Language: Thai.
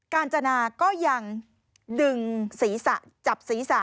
การจนาก็ยังดึงศีรษะจับศีรษะ